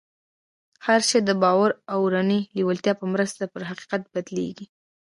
هر شی د باور او اورنۍ لېوالتیا په مرسته پر حقیقت بدلېږي